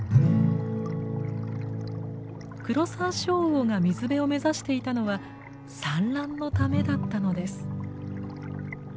クロサンショウウオが水辺を目指していたのは産卵のためだったのです。